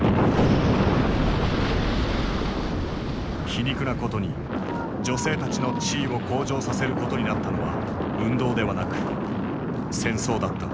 皮肉なことに女性たちの地位を向上させることになったのは運動ではなく戦争だった。